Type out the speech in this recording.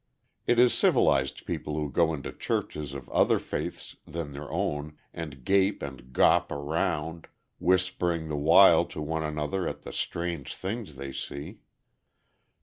It is civilized people who go into churches of other faiths than their own and gape and "gawp" around, whispering the while to one another at the strange things they see.